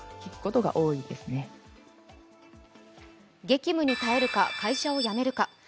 激務に耐えるか会社を辞めるか。